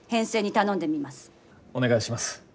お願いします。